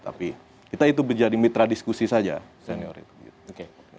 tapi kita itu menjadi mitra diskusi saja senior itu